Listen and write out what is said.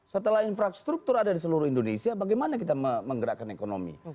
setelah infrastruktur ada di seluruh indonesia bagaimana kita menggerakkan ekonomi